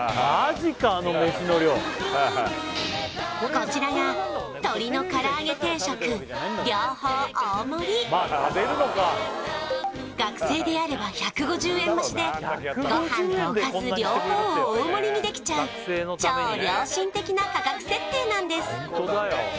こちらが学生であれば１５０円増しでご飯とおかず両方を大盛りにできちゃう超良心的な価格設定なんです！